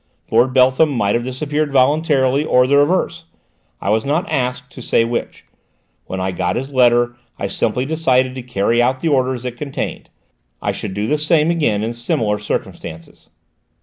Lord Beltham might have disappeared voluntarily or the reverse: I was not asked to say which. When I got his letter I simply decided to carry out the orders it contained. I should do the same again in similar circumstances."